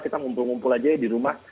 kita ngumpul ngumpul aja di rumah